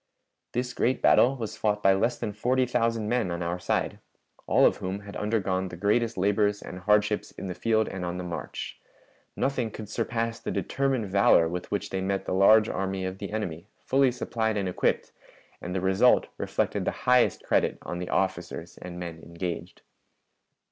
This great battle was fought by less than forty thousand men on our side, all of whom had undergone the greatest labors and hardships in the field and on the march. Nothing could surpass the determined valor with which they met the large army of the enemy, fully supplied and equipped, and the result reflected the highest credit on the officers and men engaged.